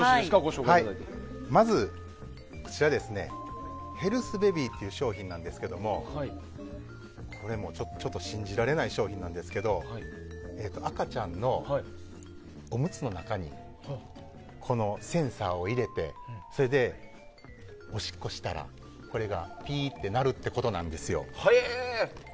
まず、こちらはヘルスベビーという商品なんですがこれ、ちょっと信じられない商品案ですけど赤ちゃんのおむつの中にこのセンサーを入れて、それでおしっこしたら、これがピーって鳴るってことなんですよ。